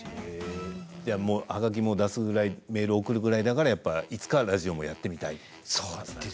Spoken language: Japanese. はがきやメールを送るぐらいだからいつかラジオはやってみたいと。